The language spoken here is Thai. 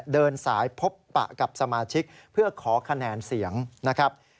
เดินสายพบปะกับสมาชิกเพื่อขอคะแนนเสียงนะครับ